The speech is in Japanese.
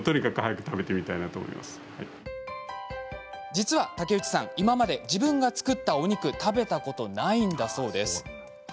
実は竹内さん、今まで自分が作ったお肉食べたことないんだそう。